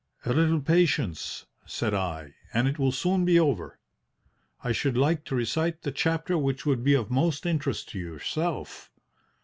"'A little patience,' said I, 'and it will soon be over. I should like to recite the chapter which would be of most interest to yourself.